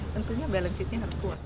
tentunya balance nya harus kuat